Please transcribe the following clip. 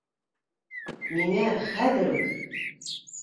Миңә хәҙер үк